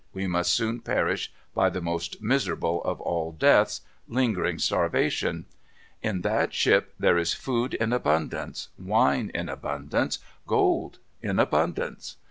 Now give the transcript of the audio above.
We must soon perish by the most miserable of all deaths, lingering starvation. In that ship there is food in abundance, wine in abundance, gold in abundance.